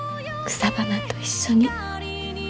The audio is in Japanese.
草花と一緒に。